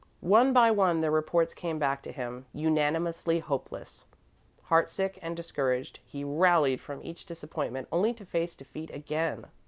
One by one, their reports came back to him, unanimously hopeless. Heartsick and discouraged, he rallied from each disappointment, only to face defeat again.